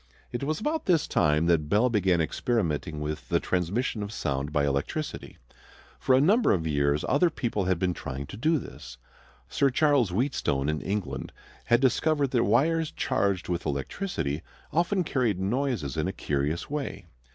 It was about this time that Bell began experimenting with the transmission of sound by electricity. For a number of years other people had been trying to do this. Sir Charles Wheatstone in England had discovered that wires charged with electricity often carried noises in a curious way.